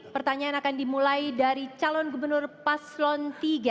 pertanyaan akan dimulai dari calon gubernur paslon tiga